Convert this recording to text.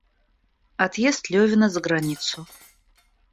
Отъезд Левина за границу.